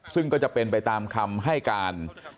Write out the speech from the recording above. ซึ่งก็จะเป็นไปตามคำให้การ